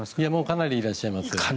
かなりいらっしゃいます。